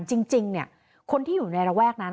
จริงจริงเนี่ยคนที่อยู่ในระแวกนั้น